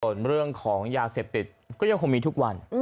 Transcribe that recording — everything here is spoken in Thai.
ส่วนเรื่องของยาเสพติดก็ยังคงมีทุกวัน